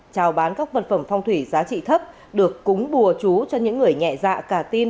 trào bán các vật phẩm phong thủy giá trị thấp được cúng bùa chú cho những người nhẹ dạ cả tin